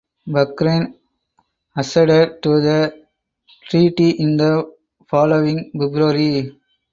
Bahrain acceded to the treaty in the following February.